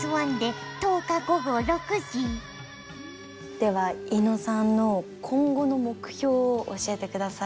では猪野さんの今後の目標を教えてください。